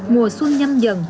mùa xuân nhâm dần